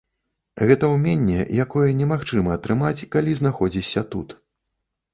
Гэта ўменне, якое немагчыма атрымаць, калі знаходзішся тут.